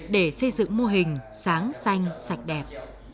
để xây dựng mô hình sáng xanh sạch đẹp